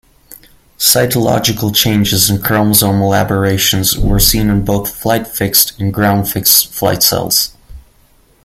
Cytological changes and chromosomal aberrations were seen in both flight-fixed and ground-fixed flight cells.